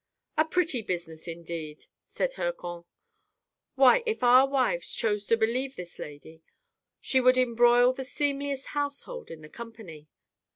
" A pretty business indeed !" said Hircan. " Why, if our wives chose to believe this lady, she would embroil the seemliest household in the company."